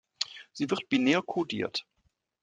Sie wird binär codiert.